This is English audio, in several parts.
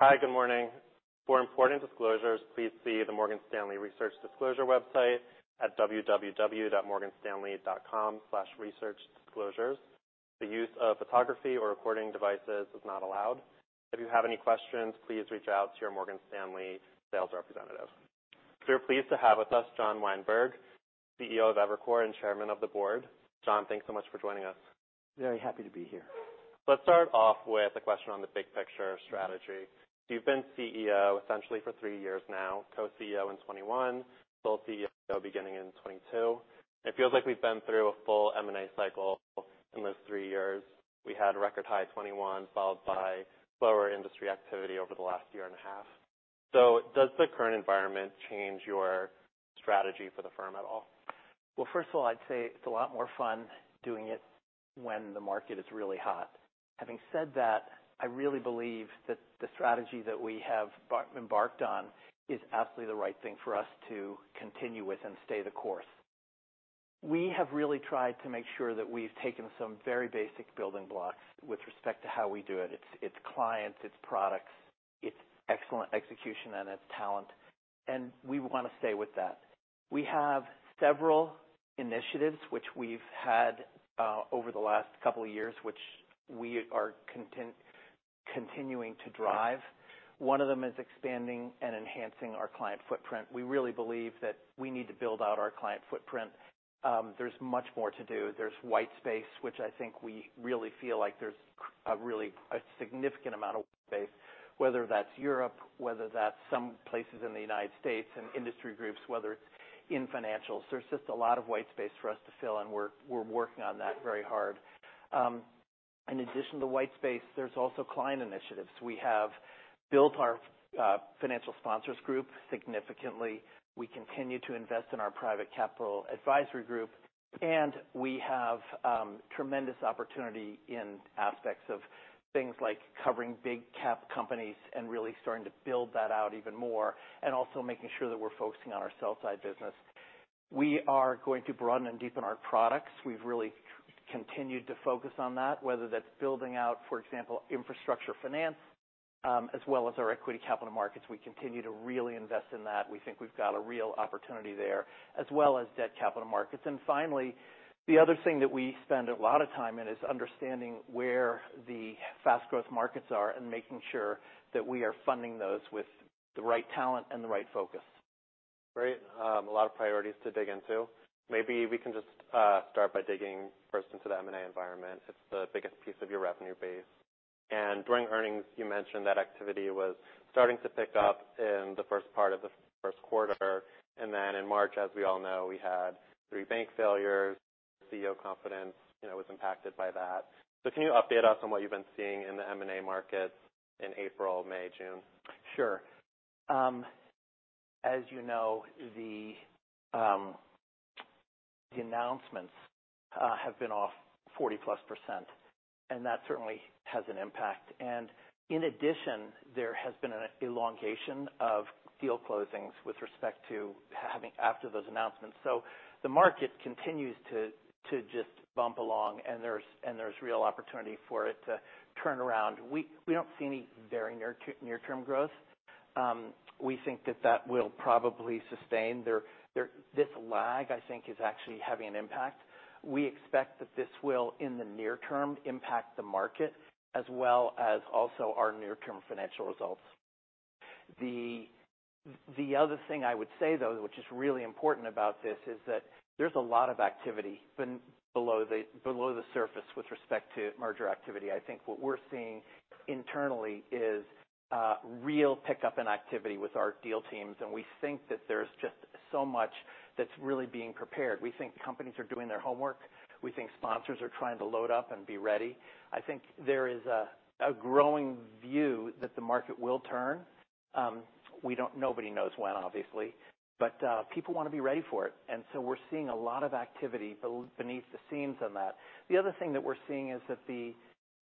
Hi, good morning. For important disclosures, please see the Morgan Stanley Research Disclosure website at www.morganstanley.com/researchdisclosures. The use of photography or recording devices is not allowed. If you have any questions, please reach out to your Morgan Stanley sales representative. We are pleased to have with us John Weinberg, CEO of Evercore and Chairman of the Board. John, thanks so much for joining us. Very happy to be here. Let's start off with a question on the big picture strategy. You've been CEO essentially for three years now, co-CEO in 2021, full CEO beginning in 2022. It feels like we've been through a full M&A cycle in those three years. We had a record high 2021, followed by lower industry activity over the last year and a half. Does the current environment change your strategy for the firm at all? Well, first of all, I'd say it's a lot more fun doing it when the market is really hot. Having said that, I really believe that the strategy that we have embarked on is absolutely the right thing for us to continue with and stay the course. We have really tried to make sure that we've taken some very basic building blocks with respect to how we do it. It's clients, it's products, it's excellent execution, and it's talent, and we want to stay with that. We have several initiatives which we've had over the last couple of years, which we are continuing to drive. One of them is expanding and enhancing our client footprint. We really believe that we need to build out our client footprint. There's much more to do. There's white space, which I think we really feel like there's a really, a significant amount of white space, whether that's Europe, whether that's some places in the United States and industry groups, whether it's in financials. There's just a lot of white space for us to fill, and we're working on that very hard. In addition to white space, there's also client initiatives. We have built our financial sponsors group significantly. We continue to invest in our Private Capital Advisory group, and we have tremendous opportunity in aspects of things like covering big cap companies and really starting to build that out even more, and also making sure that we're focusing on our sell side business. We are going to broaden and deepen our products. We've really continued to focus on that, whether that's building out, for example, infrastructure finance, as well as our Equity Capital Markets. We continue to really invest in that. We think we've got a real opportunity there, as well as Debt Capital Markets. Finally, the other thing that we spend a lot of time in is understanding where the fast growth markets are and making sure that we are funding those with the right talent and the right focus. Great. A lot of priorities to dig into. Maybe we can just start by digging first into the M&A environment. It's the biggest piece of your revenue base, and during earnings, you mentioned that activity was starting to pick up in the first part of the first quarter, and then in March, as we all know, we had three bank failures. CEO confidence, you know, was impacted by that. Can you update us on what you've been seeing in the M&A markets in April, May, June? Sure. As you know, the announcements have been off 40% plus, and that certainly has an impact. In addition, there has been an elongation of deal closings with respect to having after those announcements. The market continues to just bump along, and there's real opportunity for it to turn around. We don't see any very near-term growth. We think that that will probably sustain. This lag, I think, is actually having an impact. We expect that this will, in the near term, impact the market as well as also our near-term financial results. The other thing I would say, though, which is really important about this, is that there's a lot of activity been below the surface with respect to merger activity. I think what we're seeing internally is real pickup in activity with our deal teams. We think that there's just so much that's really being prepared. We think companies are doing their homework. We think sponsors are trying to load up and be ready. I think there is a growing view that the market will turn. Nobody knows when, obviously, but people want to be ready for it, so we're seeing a lot of activity beneath the scenes on that. The other thing that we're seeing is that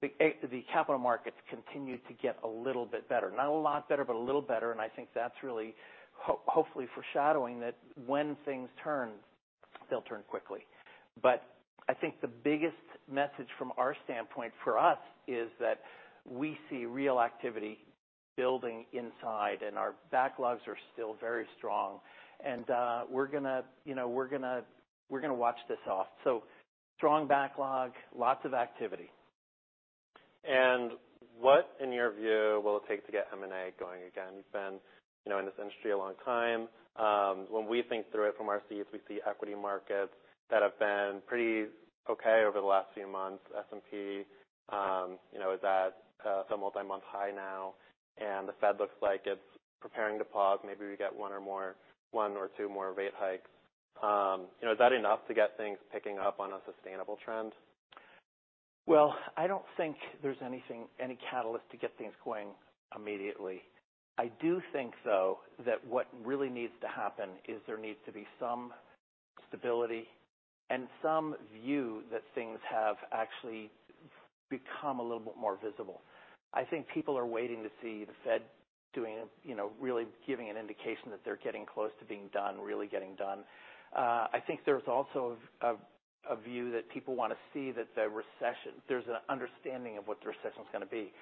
the capital markets continue to get a little bit better. Not a lot better, but a little better. I think that's really hopefully foreshadowing that when things turn, they'll turn quickly. I think the biggest message from our standpoint for us is that we see real activity building inside, and our backlogs are still very strong. We're gonna, you know, we're gonna watch this off. Strong backlog, lots of activity. What, in your view, will it take to get M&A going again? You've been, you know, in this industry a long time. When we think through it from our seats, we see equity markets that have been pretty okay over the last few months. S&P, you know, is at some multi-month high now, and the Fed looks like it's preparing to pause. Maybe we get one or two more rate hikes. You know, is that enough to get things picking up on a sustainable trend? I don't think there's anything, any catalyst to get things going immediately. I do think, though, that what really needs to happen is there needs to be some stability and some view that things have actually become a little bit more visible. I think people are waiting to see the Fed doing, you know, really giving an indication that they're getting close to being done, really getting done. I think there's also a view that people wanna see that there's an understanding of what the recession's gonna be.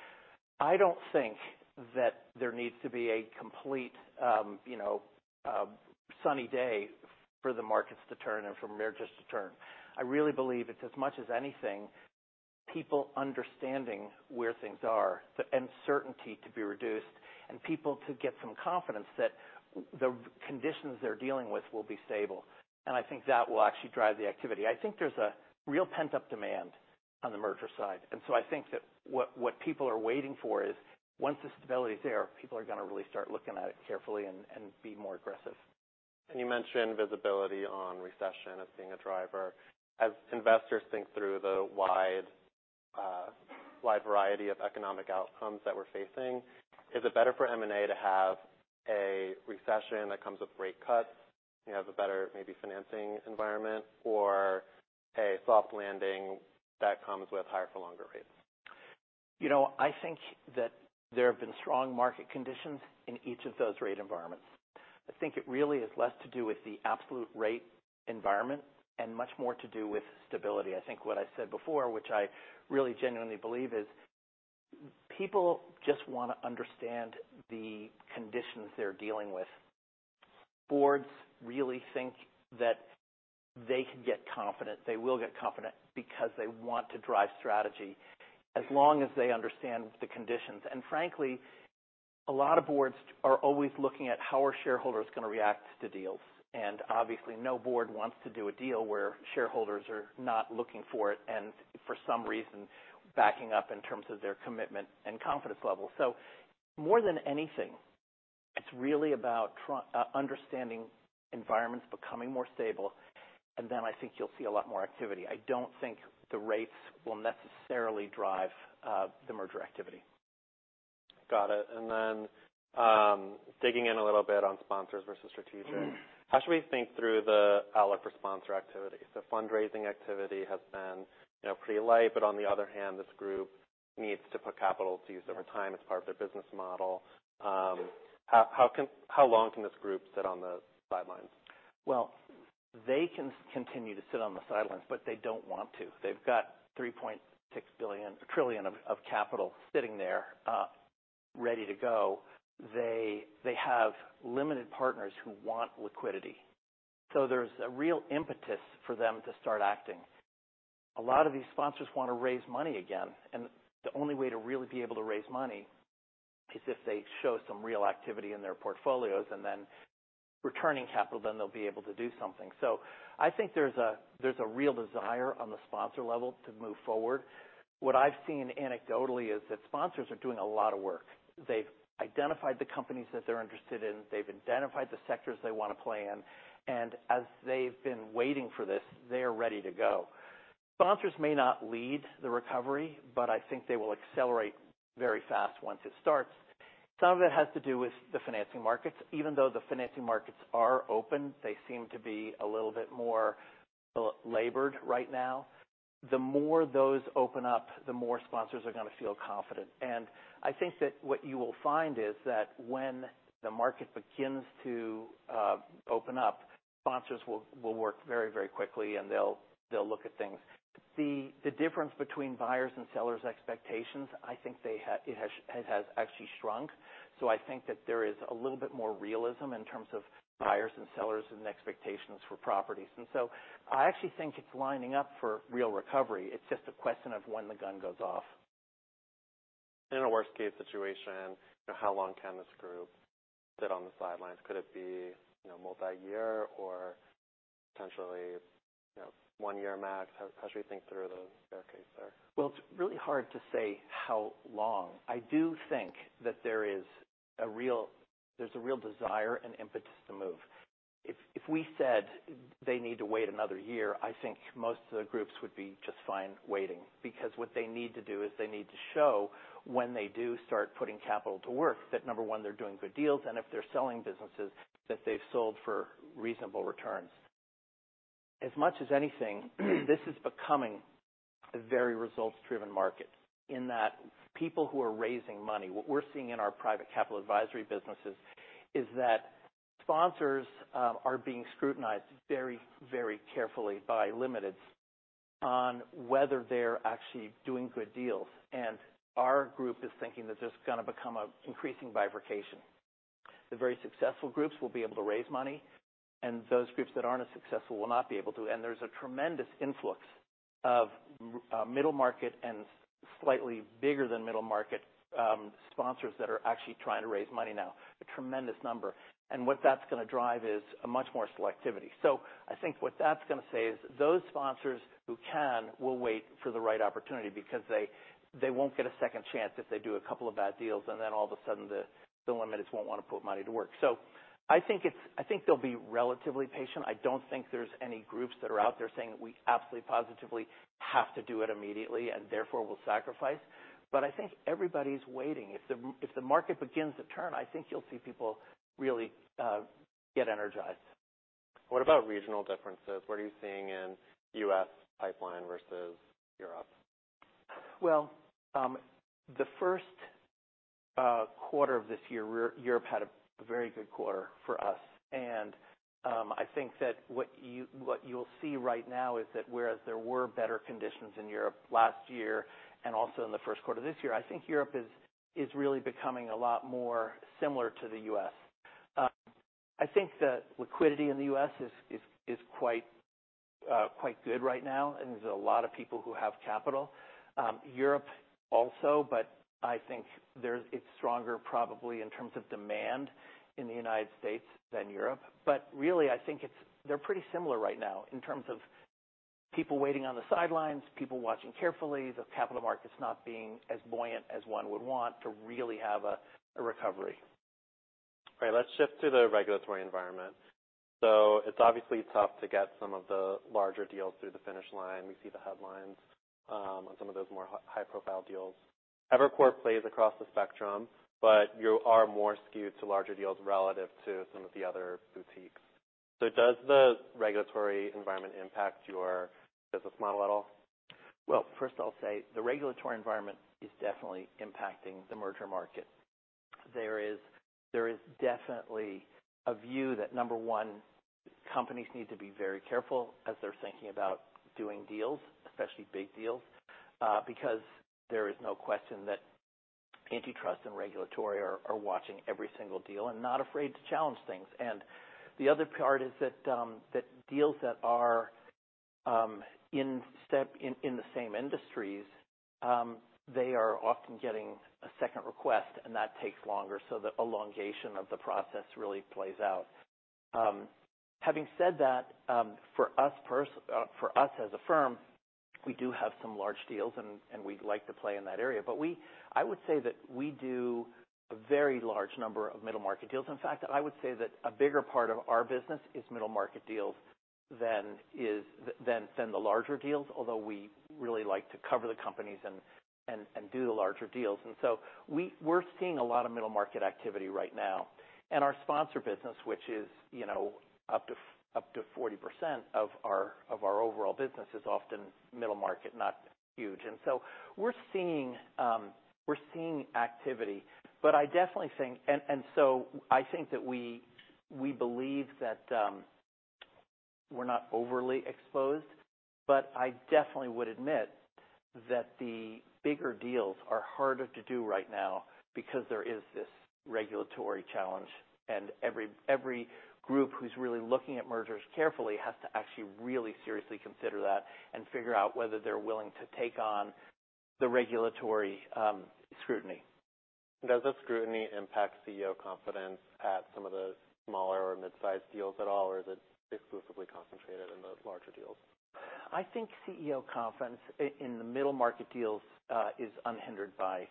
I don't think that there needs to be a complete, you know, sunny day for the markets to turn and for mergers to turn. I really believe it's, as much as anything, people understanding where things are, the uncertainty to be reduced, and people to get some confidence that the conditions they're dealing with will be stable. I think that will actually drive the activity. I think there's a real pent-up demand on the merger side. I think that what people are waiting for is, once the stability is there, people are gonna really start looking at it carefully and be more aggressive. You mentioned visibility on recession as being a driver. As investors think through the wide variety of economic outcomes that we're facing, is it better for M&A to have a recession that comes with rate cuts, you have a better maybe financing environment, or a soft landing that comes with higher for longer rates? You know, I think that there have been strong market conditions in each of those rate environments. I think it really is less to do with the absolute rate environment and much more to do with stability. I think what I said before, which I really genuinely believe, is people just wanna understand the conditions they're dealing with. Boards really think that they can get confident, they will get confident because they want to drive strategy, as long as they understand the conditions. Frankly, a lot of boards are always looking at how are shareholders gonna react to deals. Obviously, no board wants to do a deal where shareholders are not looking for it, and for some reason, backing up in terms of their commitment and confidence level. More than anything, it's really about understanding environments becoming more stable, and then I think you'll see a lot more activity. I don't think the rates will necessarily drive the merger activity. Got it. Digging in a little bit on sponsors versus strategic. Mm-hmm. How should we think through the outlook for sponsor activity? Fundraising activity has been, you know, pretty light, but on the other hand, this group needs to put capital to use over time as part of their business model. How long can this group sit on the sidelines? Well, they can continue to sit on the sidelines, but they don't want to. They've got $3.6 trillion of capital sitting there, ready to go. They have limited partners who want liquidity, so there's a real impetus for them to start acting. A lot of these sponsors wanna raise money again, and the only way to really be able to raise money is if they show some real activity in their portfolios, and then returning capital, then they'll be able to do something. I think there's a real desire on the sponsor level to move forward. What I've seen anecdotally is that sponsors are doing a lot of work. They've identified the companies that they're interested in, they've identified the sectors they wanna play in, and as they've been waiting for this, they are ready to go. Sponsors may not lead the recovery, but I think they will accelerate very fast once it starts. Some of it has to do with the financing markets. Even though the financing markets are open, they seem to be a little bit more labored right now. The more those open up, the more sponsors are gonna feel confident. I think that what you will find is that when the market begins to open up, sponsors will work very, very quickly, and they'll look at things. The difference between buyers' and sellers' expectations, I think it has actually shrunk. I think that there is a little bit more realism in terms of buyers and sellers and expectations for properties. I actually think it's lining up for real recovery. It's just a question of when the gun goes off. In a worst-case situation, how long can this group sit on the sidelines? Could it be, you know, multi-year or potentially, you know, 1 year max? How should we think through the bear case there? Well, it's really hard to say how long. I do think that there's a real desire and impetus to move. If we said they need to wait another year, I think most of the groups would be just fine waiting, because what they need to do is they need to show when they do start putting capital to work, that 1, they're doing good deals, and if they're selling businesses, that they've sold for reasonable returns. As much as anything, this is becoming a very results-driven market in that people who are raising money... What we're seeing in our Private Capital Advisory businesses is that sponsors are being scrutinized very, very carefully by limiteds on whether they're actually doing good deals. Our group is thinking that this is gonna become an increasing bifurcation. The very successful groups will be able to raise money, and those groups that aren't as successful will not be able to. There's a tremendous influx of middle market and slightly bigger than middle market, sponsors that are actually trying to raise money now, a tremendous number. What that's gonna drive is a much more selectivity. I think what that's gonna say is those sponsors who can, will wait for the right opportunity because they won't get a second chance if they do a couple of bad deals, and then all of a sudden, the limiteds won't wanna put money to work. I think it's I think they'll be relatively patient. I don't think there's any groups that are out there saying, "We absolutely, positively have to do it immediately, and therefore, we'll sacrifice." I think everybody's waiting. If the market begins to turn, I think you'll see people really get energized. What about regional differences? What are you seeing in U.S. pipeline versus Europe? Well, the first quarter of this year, Europe had a very good quarter for us. I think that what you'll see right now is that whereas there were better conditions in Europe last year and also in the first quarter this year, I think Europe is really becoming a lot more similar to the U.S. I think that liquidity in the U.S. is quite good right now, and there's a lot of people who have capital. Europe also, but I think it's stronger probably in terms of demand in the United States than Europe. Really, I think they're pretty similar right now in terms of people waiting on the sidelines, people watching carefully, the capital markets not being as buoyant as one would want to really have a recovery. All right, let's shift to the regulatory environment. It's obviously tough to get some of the larger deals through the finish line. We see the headlines on some of those more high profile deals. Evercore plays across the spectrum, but you are more skewed to larger deals relative to some of the other boutiques. Does the regulatory environment impact your business model at all? Well, first I'll say the regulatory environment is definitely impacting the merger market. There is definitely a view that, number one, companies need to be very careful as they're thinking about doing deals, especially big deals, because there is no question that antitrust and regulatory are watching every single deal and not afraid to challenge things. The other part is that deals that are in the same industries, they are often getting a second request, and that takes longer, so the elongation of the process really plays out. Having said that, for us as a firm, we do have some large deals, and we'd like to play in that area. I would say that we do a very large number of middle market deals. In fact, I would say that a bigger part of our business is middle market deals than the larger deals, although we really like to cover the companies and do the larger deals. We're seeing a lot of middle market activity right now. Our sponsor business, which is, you know, up to 40% of our overall business, is often middle market, not huge. We're seeing activity, but I definitely think... I think that we believe that we're not overly exposed, but I definitely would admit that the bigger deals are harder to do right now because there is this regulatory challenge, and every group who's really looking at mergers carefully has to actually really seriously consider that and figure out whether they're willing to take on the regulatory scrutiny. Does the scrutiny impact CEO confidence at some of the smaller or mid-sized deals at all, or is it exclusively concentrated in the larger deals? I think CEO confidence in the middle market deals is unhindered by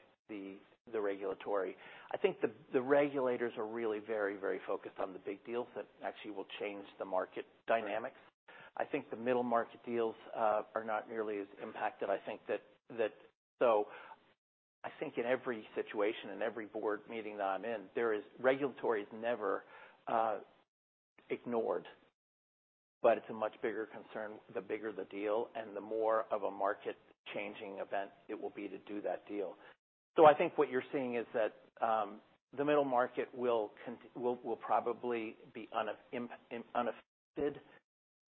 the regulatory. I think the regulators are really very, very focused on the big deals that actually will change the market dynamics. I think the middle market deals are not nearly as impacted. I think that I think in every situation and every board meeting that I'm in, there is. Regulatory is never ignored, but it's a much bigger concern the bigger the deal and the more of a market-changing event it will be to do that deal. I think what you're seeing is that the middle market will probably be unaffected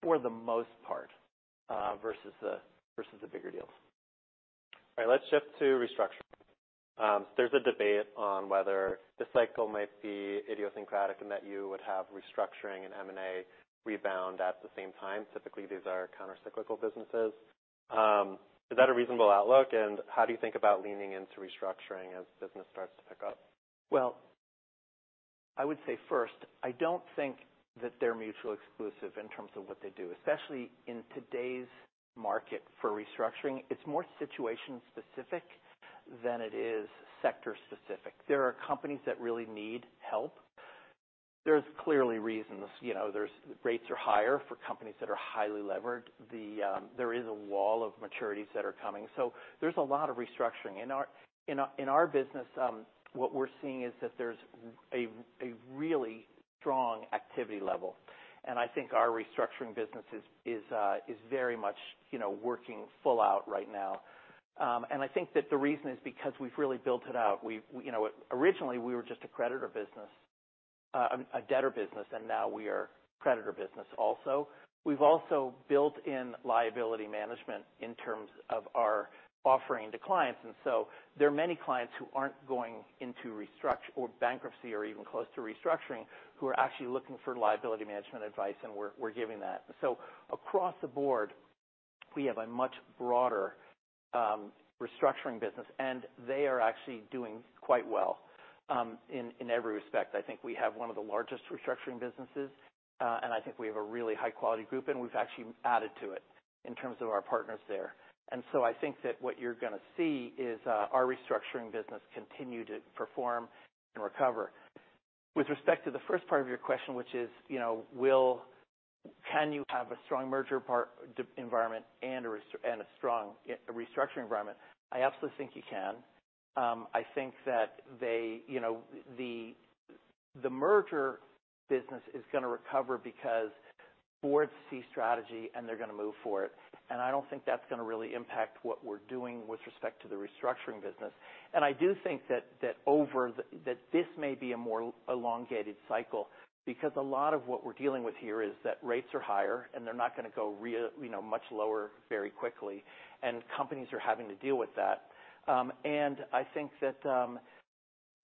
for the most part, versus the versus the bigger deals. All right, let's shift to restructuring. There's a debate on whether this cycle might be idiosyncratic and that you would have restructuring and M&A rebound at the same time. Typically, these are countercyclical businesses. Is that a reasonable outlook, and how do you think about leaning into restructuring as business starts to pick up? Well, I would say first, I don't think that they're mutually exclusive in terms of what they do, especially in today's market for restructuring. It's more situation specific than it is sector specific. There are companies that really need help. There's clearly reasons. You know, rates are higher for companies that are highly levered. There is a wall of maturities that are coming. There's a lot of restructuring. In our business, what we're seeing is that there's a really strong activity level, and I think our restructuring business is very much, you know, working full out right now. I think that the reason is because we've really built it out. We've, you know, originally, we were just a creditor business, a debtor business, now we are creditor business also. We've also built in liability management in terms of our offering to clients, there are many clients who aren't going into or bankruptcy or even close to restructuring, who are actually looking for liability management advice, and we're giving that. Across the board, we have a much broader restructuring business, and they are actually doing quite well in every respect. I think we have one of the largest restructuring businesses, and I think we have a really high-quality group, and we've actually added to it in terms of our partners there. I think that what you're gonna see is our restructuring business continue to perform and recover. With respect to the first part of your question, which is, you know, can you have a strong merger part environment and a strong restructuring environment? I absolutely think you can. I think that they, you know, the merger business is gonna recover because boards see strategy, and they're gonna move for it. I don't think that's gonna really impact what we're doing with respect to the restructuring business. I do think that this may be a more elongated cycle, because a lot of what we're dealing with here is that rates are higher, and they're not gonna go real, you know, much lower very quickly, and companies are having to deal with that. I think that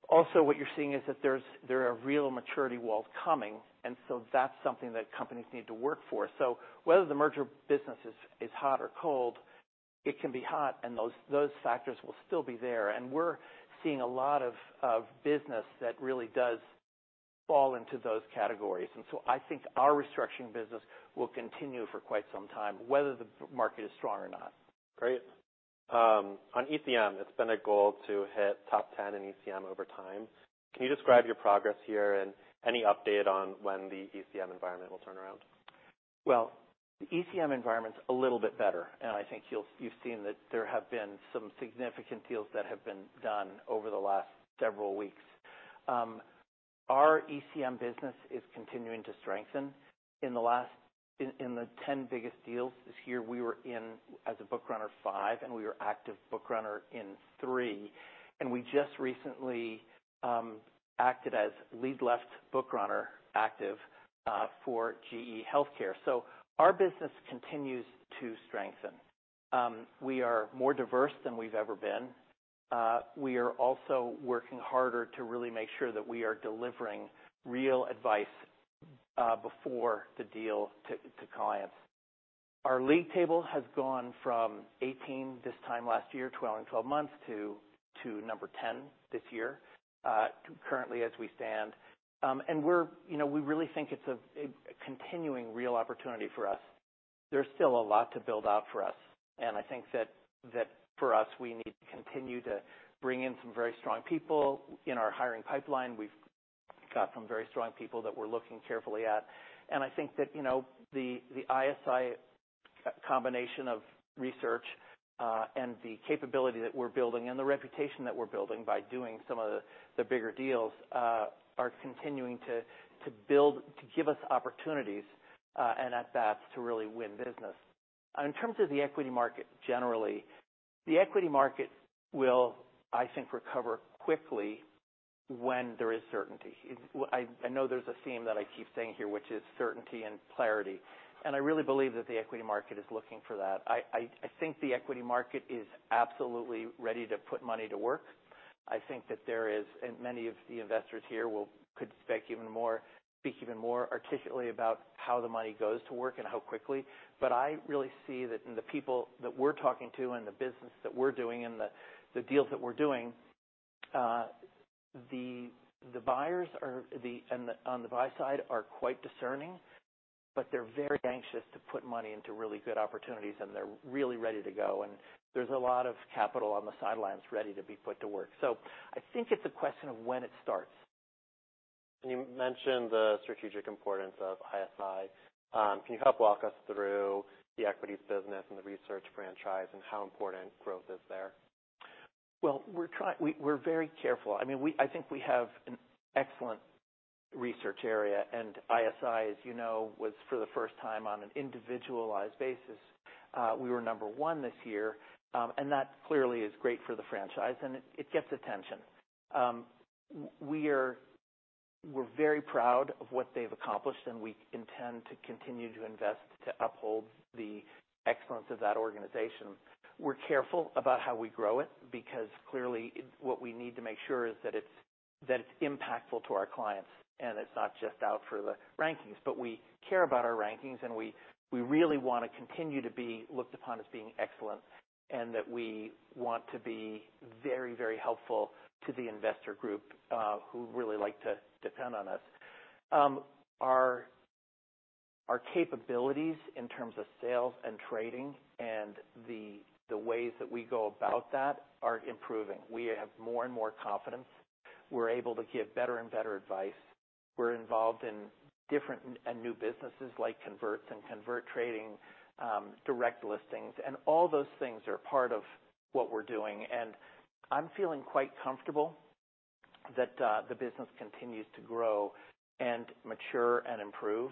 also what you're seeing is that there are real maturity walls coming, and that's something that companies need to work for. Whether the merger business is hot or cold, it can be hot, and those factors will still be there. We're seeing a lot of business that really does fall into those categories. I think our restructuring business will continue for quite some time, whether the market is strong or not. Great. On ECM, it's been a goal to hit top 10 in ECM over time. Can you describe your progress here, and any update on when the ECM environment will turn around? The ECM environment's a little bit better, and I think you've seen that there have been some significant deals that have been done over the last several weeks. Our ECM business is continuing to strengthen. In the 10 biggest deals this year, we were in, as a bookrunner, 5, and we were active bookrunner in 3. We just recently acted as lead left bookrunner, active, for GE HealthCare. Our business continues to strengthen. We are more diverse than we've ever been. We are also working harder to really make sure that we are delivering real advice before the deal to clients. Our league table has gone from 18 this time last year, 12 and 12 months, to number 10 this year, currently as we stand. You know, we really think it's a continuing real opportunity for us. There's still a lot to build out for us, and I think that for us, we need to continue to bring in some very strong people in our hiring pipeline. We've got some very strong people that we're looking carefully at. I think that, you know, the ISI combination of research and the capability that we're building and the reputation that we're building by doing some of the bigger deals are continuing to build, to give us opportunities and at that, to really win business. In terms of the equity market, generally, the equity market will, I think, recover quickly when there is certainty. I know there's a theme that I keep saying here, which is certainty and clarity, and I really believe that the equity market is looking for that. I think the equity market is absolutely ready to put money to work. I think that there is. Many of the investors here speak even more articulately about how the money goes to work and how quickly. I really see that in the people that we're talking to and the business that we're doing and the deals that we're doing, the buyers on the buy side are quite discerning, but they're very anxious to put money into really good opportunities, they're really ready to go, there's a lot of capital on the sidelines ready to be put to work. I think it's a question of when it starts. You mentioned the strategic importance of ISI. Can you help walk us through the equities business and the research franchise and how important growth is there? Well, we're very careful. I mean, we think we have an excellent research area. Evercore ISI, as you know, was for the first time on an individualized basis, we were number 1 this year, and that clearly is great for the franchise, and it gets attention. We're very proud of what they've accomplished, and we intend to continue to invest to uphold the excellence of that organization. We're careful about how we grow it, because clearly, what we need to make sure is that it's impactful to our clients, and it's not just out for the rankings. We care about our rankings, and we really want to continue to be looked upon as being excellent, and that we want to be very, very helpful to the investor group, who really like to depend on us. Our capabilities in terms of sales and trading and the ways that we go about that are improving. We have more and more confidence. We're able to give better and better advice. We're involved in different and new businesses like converts and convert trading, direct listings, and all those things are part of what we're doing. I'm feeling quite comfortable that the business continues to grow and mature and improve.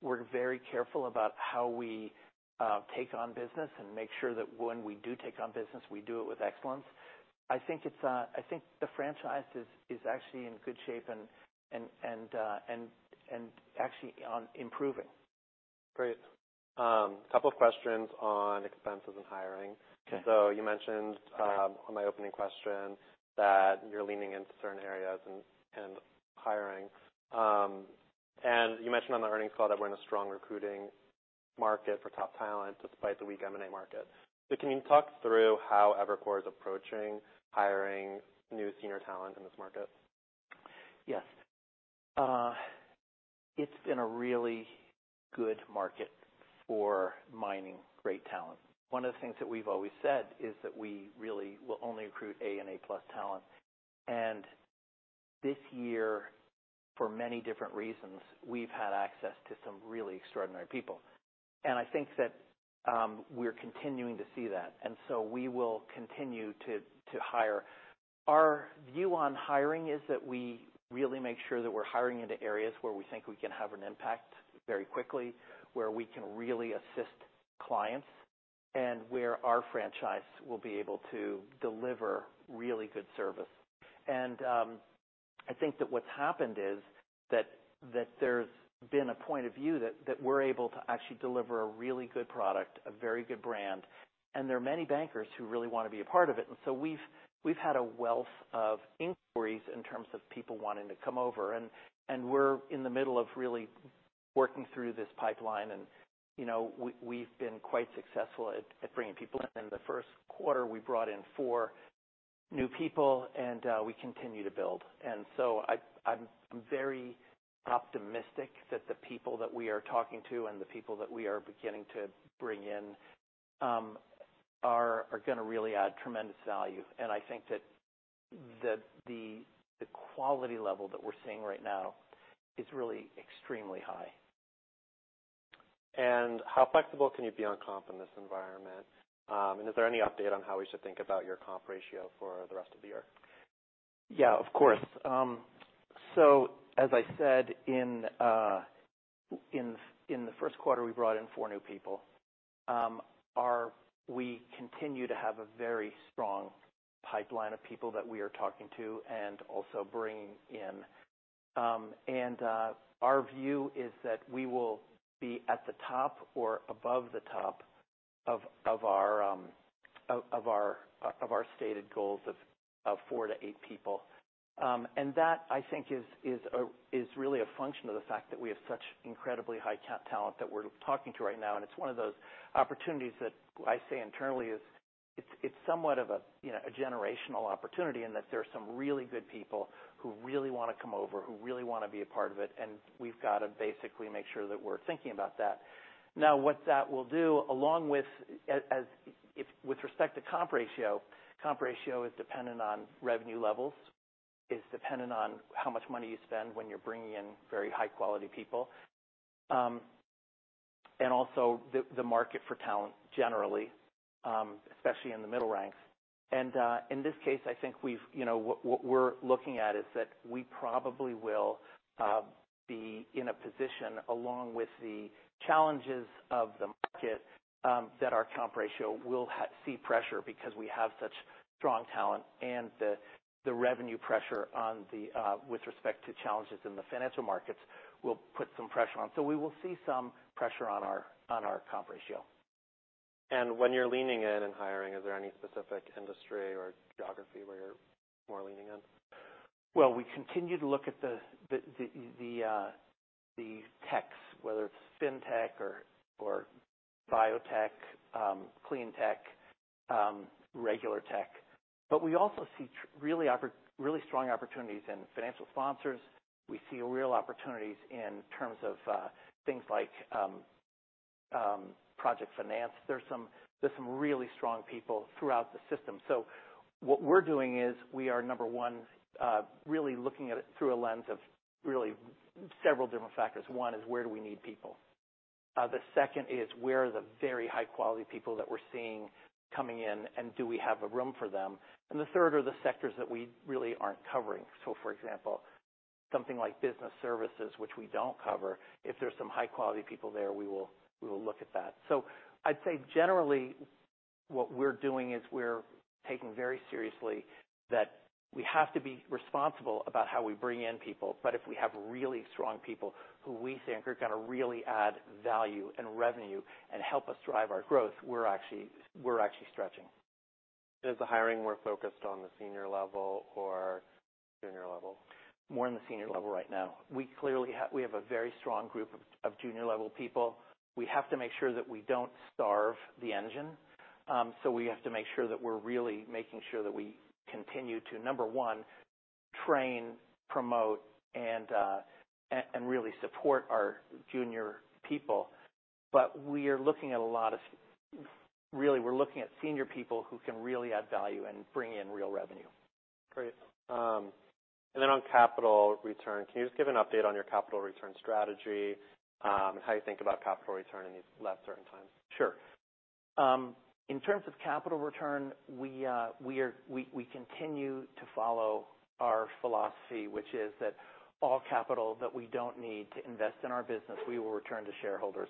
We're very careful about how we take on business and make sure that when we do take on business, we do it with excellence. I think it's, I think the franchise is actually in good shape and actually, improving. Great. A couple of questions on expenses and hiring. Okay. You mentioned on my opening question that you're leaning into certain areas and hiring. You mentioned on the earnings call that we're in a strong recruiting market for top talent despite the weak M&A market. Can you talk through how Evercore is approaching hiring new senior talent in this market? Yes. It's been a really good market for mining great talent. One of the things that we've always said is that we really will only recruit A and A plus talent. ...This year, for many different reasons, we've had access to some really extraordinary people. I think that, we're continuing to see that, we will continue to hire. Our view on hiring is that we really make sure that we're hiring into areas where we think we can have an impact very quickly, where we can really assist clients, and where our franchise will be able to deliver really good service. I think that what's happened is that there's been a point of view that we're able to actually deliver a really good product, a very good brand, and there are many bankers who really want to be a part of it. We've had a wealth of inquiries in terms of people wanting to come over. We're in the middle of really working through this pipeline. You know, we've been quite successful at bringing people in. In the first quarter, we brought in 4 new people, and we continue to build. I'm very optimistic that the people that we are talking to and the people that we are beginning to bring in are gonna really add tremendous value. I think that the quality level that we're seeing right now is really extremely high. How flexible can you be on comp in this environment? And is there any update on how we should think about your comp ratio for the rest of the year? Of course. As I said, in the 1st quarter, we brought in 4 new people. We continue to have a very strong pipeline of people that we are talking to and also bringing in. Our view is that we will be at the top or above the top of our stated goals of 4-8 people. That, I think, is really a function of the fact that we have such incredibly high talent that we're talking to right now. It's one of those opportunities that I say internally is it's somewhat of a, you know, a generational opportunity, in that there are some really good people who really want to come over, who really want to be a part of it, and we've got to basically make sure that we're thinking about that. What that will do, along with respect to comp ratio, comp ratio is dependent on revenue levels. It's dependent on how much money you spend when you're bringing in very high-quality people. And also the market for talent generally, especially in the middle ranks. In this case, I think we've... You know, what we're looking at is that we probably will be in a position, along with the challenges of the market, that our comp ratio will see pressure because we have such strong talent and the revenue pressure on the with respect to challenges in the financial markets will put some pressure on. We will see some pressure on our comp ratio. When you're leaning in and hiring, is there any specific industry or geography where you're more leaning in? We continue to look at the techs, whether it's FinTech or biotech, cleantech, regular tech. We also see really strong opportunities in financial sponsors. We see real opportunities in terms of things like project finance. There's some, there's some really strong people throughout the system. What we're doing is we are, number one, really looking at it through a lens of really several different factors. One is, where do we need people? The second is, where are the very high-quality people that we're seeing coming in, and do we have a room for them? The third are the sectors that we really aren't covering. For example, something like business services, which we don't cover, if there's some high-quality people there, we will look at that. I'd say generally, what we're doing is we're taking very seriously that we have to be responsible about how we bring in people, but if we have really strong people who we think are gonna really add value and revenue and help us drive our growth, we're actually stretching. Is the hiring more focused on the senior level or junior level? More in the senior level right now. We have a very strong group of junior-level people. We have to make sure that we don't starve the engine. We have to make sure that we're really making sure that we continue to, number one, train, promote, and really support our junior people. We are looking at a lot of, really, we're looking at senior people who can really add value and bring in real revenue. Great. On capital return, can you just give an update on your capital return strategy, and how you think about capital return in these less certain times? Sure. In terms of capital return, we continue to follow our philosophy, which is that all capital that we don't need to invest in our business, we will return to shareholders.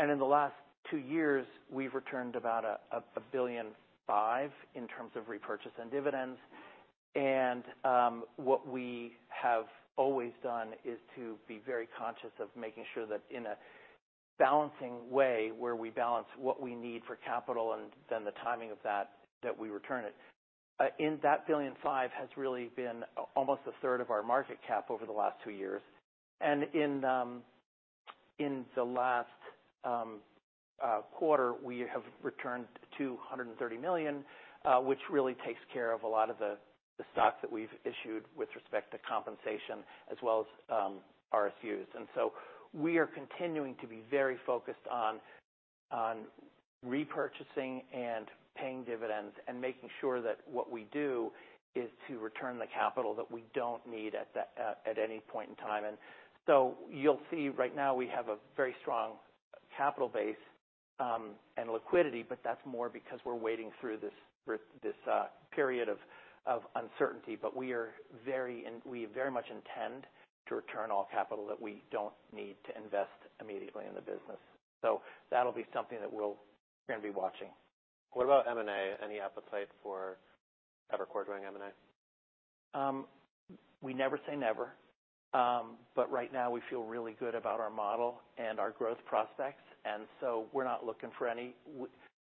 In the last two years, we've returned about $1.5 billion in terms of repurchase and dividends. What we have always done is to be very conscious of making sure that in a balancing way, where we balance what we need for capital and then the timing of that we return it. That $1.5 billion has really been almost a third of our market cap over the last two years. In the last quarter, we have returned $230 million, which really takes care of a lot of the stock that we've issued with respect to compensation as well as RSUs. We are continuing to be very focused on repurchasing and paying dividends and making sure that what we do is to return the capital that we don't need at any point in time. You'll see right now we have a very strong capital base and liquidity, but that's more because we're waiting through this period of uncertainty. We very much intend to return all capital that we don't need to invest immediately in the business. That'll be something that we're gonna be watching. What about M&A? Any appetite for Evercore doing M&A? We never say never. Right now we feel really good about our model and our growth prospects, we're not looking for any.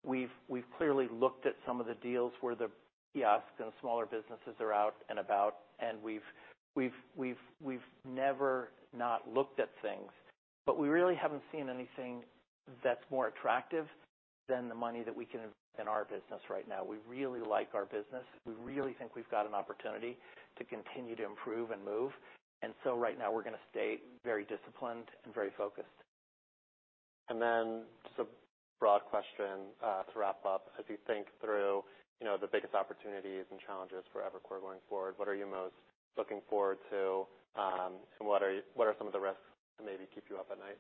We've clearly looked at some of the deals where the kiosks and smaller businesses are out and about, we've never not looked at things. We really haven't seen anything that's more attractive than the money that we can invest in our business right now. We really like our business. We really think we've got an opportunity to continue to improve and move, right now we're gonna stay very disciplined and very focused. Just a broad question to wrap up. As you think through, you know, the biggest opportunities and challenges for Evercore going forward, what are you most looking forward to, and what are some of the risks that maybe keep you up at night?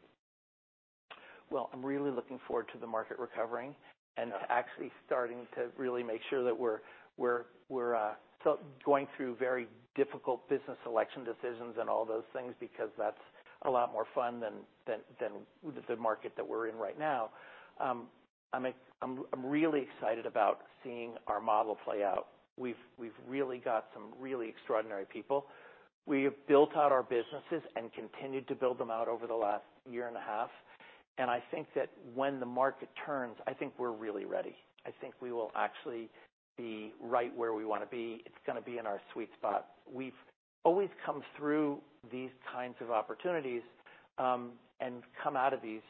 Well, I'm really looking forward to the market recovering... Yeah. actually starting to really make sure that we're going through very difficult business selection decisions and all those things, because that's a lot more fun than the market that we're in right now. I'm really excited about seeing our model play out. We've really got some really extraordinary people. We have built out our businesses and continued to build them out over the last year and a half, and I think that when the market turns, I think we're really ready. I think we will actually be right where we want to be. It's gonna be in our sweet spot. We've always come through these kinds of opportunities and come out of these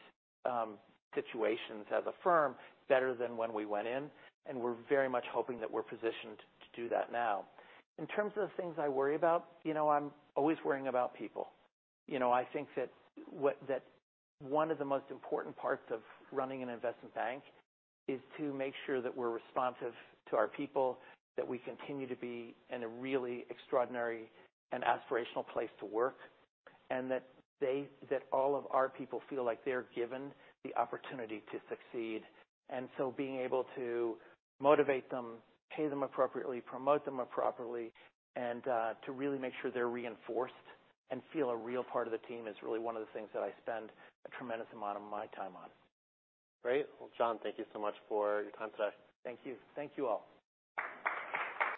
situations as a firm better than when we went in, and we're very much hoping that we're positioned to do that now. In terms of things I worry about, you know, I'm always worrying about people. You know, I think that one of the most important parts of running an investment bank is to make sure that we're responsive to our people, that we continue to be in a really extraordinary and aspirational place to work, and that all of our people feel like they're given the opportunity to succeed. Being able to motivate them, pay them appropriately, promote them appropriately, and to really make sure they're reinforced and feel a real part of the team, is really one of the things that I spend a tremendous amount of my time on. Great. Well, John, thank you so much for your time today. Thank you. Thank you, all.